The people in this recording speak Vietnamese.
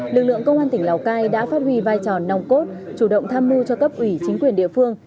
lực lượng công an tỉnh lào cai đã phát huy vai trò nòng cốt chủ động tham mưu cho cấp ủy chính quyền địa phương